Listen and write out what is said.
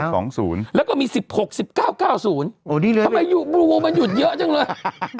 สองศูนย์แล้วก็มีสิบหกสิบเก้าเก้าศูนย์โอ้ดีเลยทำไมบรูมันหยุดเยอะจังเลย